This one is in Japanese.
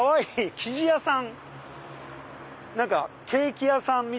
生地屋さん。